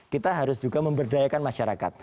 kita harus juga memberdayakan masyarakat